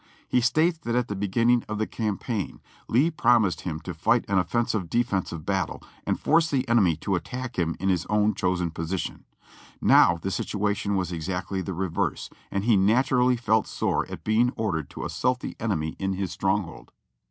He states that at the begin ning of the campaign Lee promised him to fight an offensive defensive battle and force the enemy to attack him in his own chosen position ; now the situation was exactly the reverse, and he naturally felt sore at being ordered to assault the enemy in l:is stronghold.